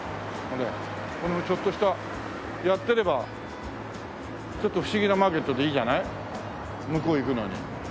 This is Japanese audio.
ちょっとしたやってればちょっと不思議なマーケットでいいじゃない向こう行くのに。